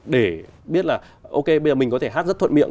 để biết là ok bây giờ mình có thể hát rất thuận miệng